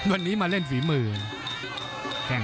วันนี้มาเล่นฝีมือ